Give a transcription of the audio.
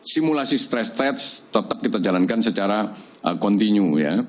simulasi stress tatch tetap kita jalankan secara kontinu ya